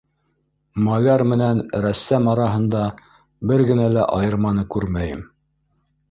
Маляр менән рәссам араһында бер генә лә айырманы күрмәйем.